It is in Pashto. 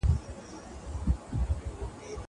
دا د کتابتون د کار مرسته ګټوره ده!